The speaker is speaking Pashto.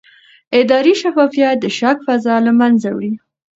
اداري شفافیت د شک فضا له منځه وړي